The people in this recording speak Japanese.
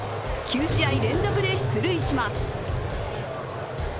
９試合連続で出塁します。